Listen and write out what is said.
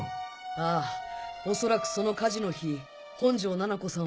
ああおそらくその火事の日本上ななこさんは。